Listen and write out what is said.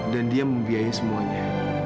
dan dia membiayai semuanya